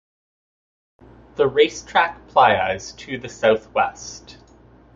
The Racetrack Playa is to the southwest.